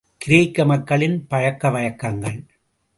கிரேக்க மக்களின் பழக்க வழக்கங்கள்.